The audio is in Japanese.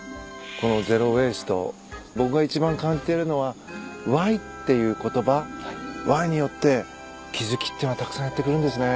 このゼロ・ウェイスト僕が一番感じてるのはＷＨＹっていう言葉ＷＨＹによって気付きっていうのはたくさんやって来るんですね。